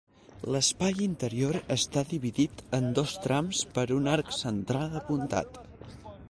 L'espai interior està dividit en dos trams per un arc central apuntat.